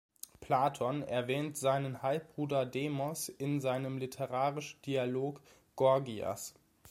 Platon erwähnt seinen Halbbruder Demos in seinem literarischen Dialog "Gorgias".